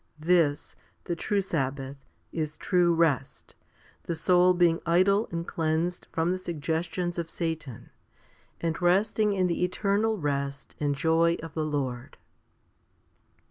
This, the true sabbath, is true rest, the soul being idle and cleansed from the suggestions of Satan, and resting in the eternal rest and joy of the Lord.